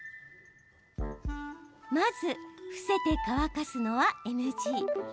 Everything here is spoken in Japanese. まず、伏せて乾かすのはＮＧ。